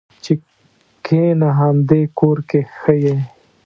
چې کېنه همدې کور کې ښه یې.